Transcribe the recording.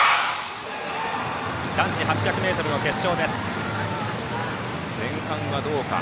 男子８００ｍの決勝スタートです。